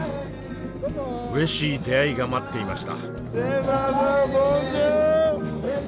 うれしい出会いが待っていました。